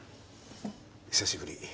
久しぶり。